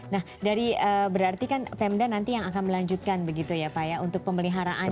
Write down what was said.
nah dari berarti kan pemda nanti yang akan melanjutkan begitu ya pak ya untuk pemeliharaan